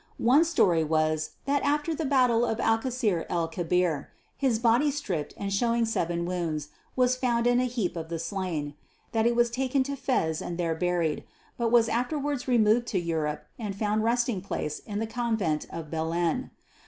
One story was that after the battle of Alcaçer el Kebir, his body stripped and showing seven wounds was found in a heap of the slain; that it was taken to Fez and there buried; but was afterwards removed to Europe and found resting place in the Convent of Belen.